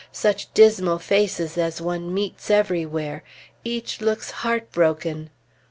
Such dismal faces as one meets everywhere! Each looks heartbroken.